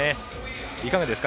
いかがですか